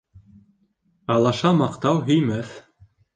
Алаша маҡтау һөймәҫ.